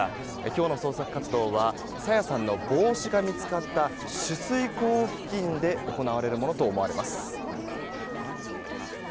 今日の捜索活動は朝芽さんの帽子が見つかった取水口付近で行われるものと思われます。